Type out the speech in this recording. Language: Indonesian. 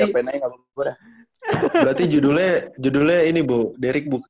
bu berarti judulnya judulnya ini bu derick bu